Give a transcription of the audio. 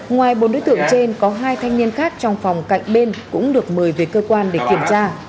ngoài bốn đối tượng trên có hai thanh niên khác trong phòng cạnh bên cũng được mời về cơ quan để kiểm tra